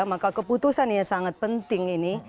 maka keputusannya sangat penting ini